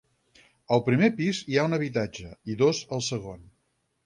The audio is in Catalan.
Al primer pis hi ha un habitatge i dos al segon.